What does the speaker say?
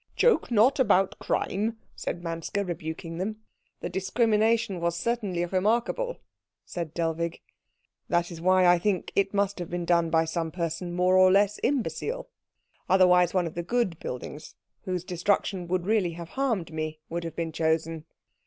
"Joke not about crime," said Manske, rebuking them. "The discrimination was certainly remarkable," said Dellwig. "That is why I think it must have been done by some person more or less imbecile," said Axel; "otherwise one of the good buildings, whose destruction would really have harmed me, would have been chosen."